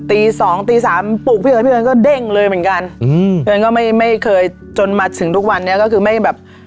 ตีสองตีสามปลูกพี่เอ๋ยพี่เอิญก็เด้งเลยเหมือนกันอืมเอิญก็ไม่ไม่เคยจนมาถึงทุกวันนี้ก็คือไม่แบบ